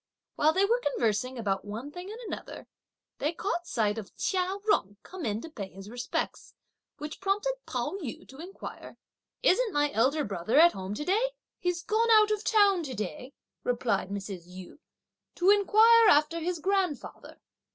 While they were conversing about one thing and another, they caught sight of Chia Jung come in to pay his respects, which prompted Pao yü to inquire, "Isn't my elder brother at home to day?" "He's gone out of town to day," replied Mrs. Yu, "to inquire after his grandfather.